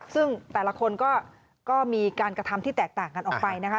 ซึ่งแต่ละคนก็มีการกระทำที่แตกต่างกันออกไปนะคะ